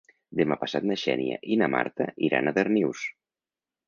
Demà passat na Xènia i na Marta iran a Darnius.